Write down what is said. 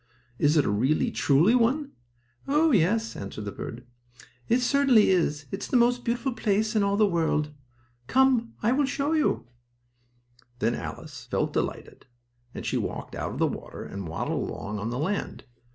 Is it a really, truly one?" "Oh, yes," answered the bird. "It certainly is. It is the most beautiful place in all the world. Come, and I will show you." Then Alice felt delighted, and she walked out of the water, and waddled along on the land.